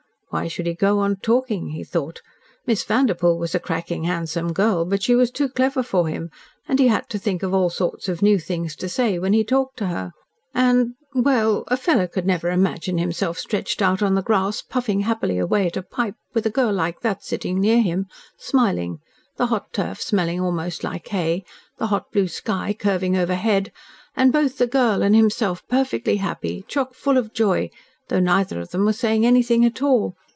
Why should he go on talking? he thought. Miss Vanderpoel was a cracking handsome girl, but she was too clever for him, and he had to think of all sorts of new things to say when he talked to her. And well, a fellow could never imagine himself stretched out on the grass, puffing happily away at a pipe, with a girl like that sitting near him, smiling the hot turf smelling almost like hay, the hot blue sky curving overhead, and both the girl and himself perfectly happy chock full of joy though neither of them were saying anything at all.